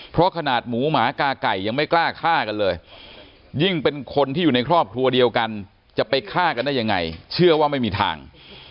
เพราะขนาดหมูหมากาไก่ยังไม่กล้าฆ่ากันเลยยิ่งเป็นคนที่อยู่ในครอบครัวเดียวกันจะไปฆ่ากันได้ยังไงเชื่อว่าไม่มีทาง